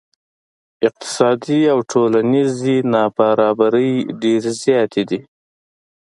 اقتصادي او ټولنیزې نا برابرۍ ډیرې زیاتې دي.